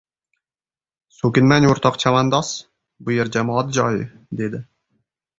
— So‘kinmang, o‘rtoq chavandoz! Bu yer jamoat joyi! — dedi.